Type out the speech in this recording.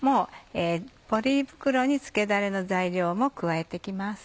ポリ袋につけだれの材料も加えて行きます。